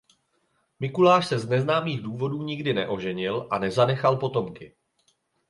Mikuláš se z neznámých důvodů nikdy neoženil a nezanechal potomky.